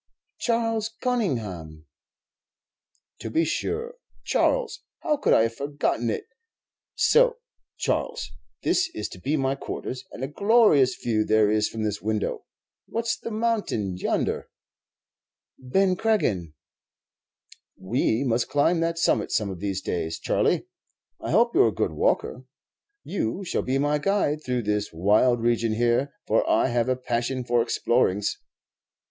"Charles Conyngham." "To be sure, Charles; how could I have forgotten it! So, Charles, this is to be my quarters; and a glorious view there is from this window. What's the mountain yonder?" "Ben Creggan." "We must climb that summit some of these days, Charley. I hope you 're a good walker. You shall be my guide through this wild region here, for I have a passion for explorings."